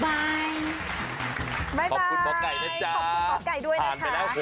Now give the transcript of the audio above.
บ๊ายบายขอบคุณป๊อกไก่ด้วยนะคะ